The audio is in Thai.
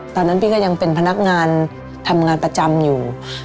ตอนนั้นพี่ก็ยังเป็นพนักงานทำงานประจำอยู่